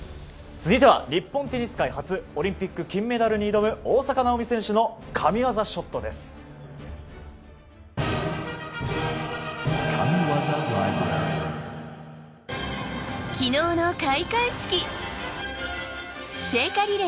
続いては日本テニス界初オリンピック金メダルに挑む大坂なおみ選手の神技ショットです。